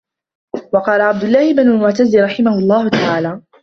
وَقَالَ عَبْدُ اللَّهِ بْنُ الْمُعْتَزِّ رَحِمَهُ اللَّهُ تَعَالَى